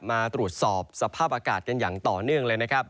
มาตรวจสอบสภาพอากาศกันอย่างต่อเนื่องเลยนะครับ